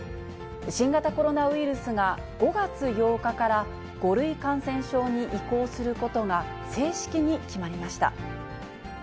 新型コロナウイルスが５月８日から、５類感染症に移行することが正式に決まりました。